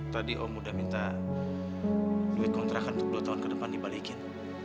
tadi om udah minta duit kontrakan untuk dua tahun ke depan dibalikin